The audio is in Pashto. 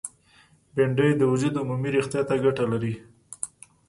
بېنډۍ د وجود عمومي روغتیا ته ګټه لري